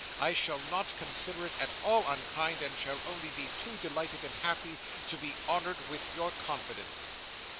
I shall not consider it at all unkind, and shall only be too delighted and happy to be honoured with your confidence."